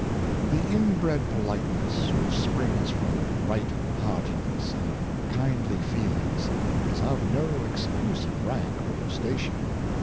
The inbred poHteness which springs from right heart edness and kindly feeHngs, is of no exclusive rank or station.